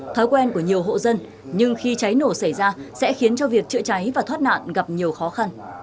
thói quen của nhiều hộ dân nhưng khi cháy nổ xảy ra sẽ khiến cho việc chữa cháy và thoát nạn gặp nhiều khó khăn